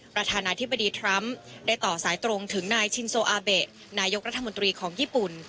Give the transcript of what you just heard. ประธานาธิบดีทรัมป์ได้ต่อสายตรงถึงนายชินโซอาเบะนายกรัฐมนตรีของญี่ปุ่น